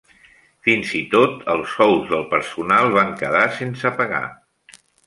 Fins i tot els sous del personal van quedar sense pagar.